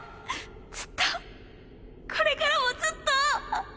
ずっとこれからもずっと！